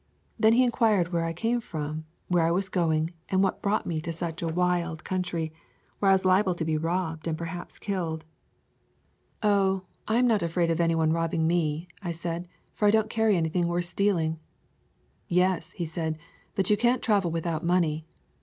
Then he inquired where I came from, where I was going, and what brought me to such a wild [ 103 ] A Thousand Mile Walk country, where I was liable to be robbed, and perhaps killed. "Oh, I am not afraid of any one robbing me," I said, "for I don't carry anything worth stealing." "Yes," said he, "but you can't travel without money."